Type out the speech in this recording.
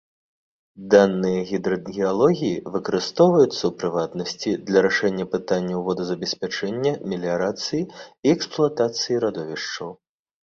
Даныя гідрагеалогіі выкарыстоўваюцца, у прыватнасці, для рашэння пытанняў водазабеспячэння, меліярацыі і эксплуатацыі радовішчаў.